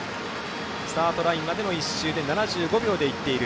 スタートラインまでの１周で７５秒で行っている。